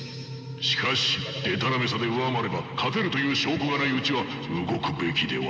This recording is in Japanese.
しかしでたらめさで上回れば勝てるという証拠がないうちは動くべきでは。